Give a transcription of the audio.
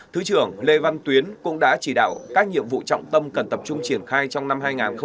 thứ trưởng lê văn tuyến cũng đã chỉ đạo các nhiệm vụ trọng tâm cần tập trung triển khai trong năm hai nghìn hai mươi